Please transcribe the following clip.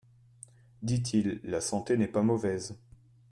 dit-il, la santé n'est pas mauvaise.